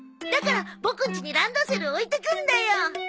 だからボクんちにランドセルを置いていくんだよ。